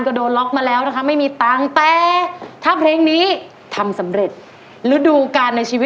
ปล่อยสิทธิ์ตัวของพี่กัสซาว